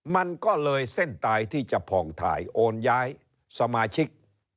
มันก็เลยเส้นตายที่จะผ่องถ่ายโอนย้ายสมาชิก